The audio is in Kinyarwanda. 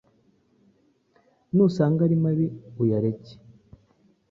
Nusanga ari mabi uyareke,